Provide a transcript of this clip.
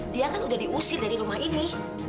dia kan udah diusir dari rumah ini